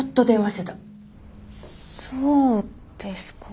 そうですか。